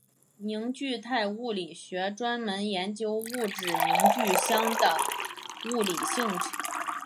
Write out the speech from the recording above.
凝聚态物理学专门研究物质凝聚相的物理性质。